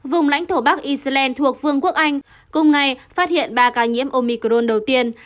vùng lãnh thổ bắc iceland thuộc vương quốc anh cùng ngày phát hiện ba ca nhiễm omicron đầu tiên